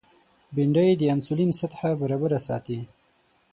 بېنډۍ د انسولین سطحه برابره ساتي